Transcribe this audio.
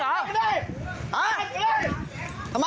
อย่าเฮ้ยตีทำไม